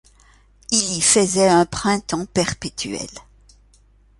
Elle y faisait un printemps perpétuel.